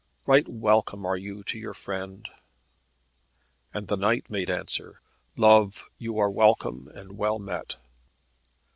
Right welcome are you to your friend." And the knight made answer, "Love, you are welcome and wellmet."